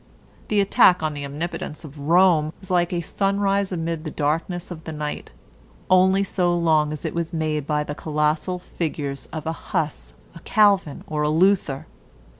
The attack on the omnipotence of Rome was like a sunrise amid the darkness of the night, only so long as it was made by the colossal figures of a Huss, a Calvin, or a Luther.